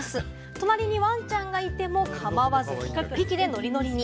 隣にワンちゃんがいても構わずノリノリに。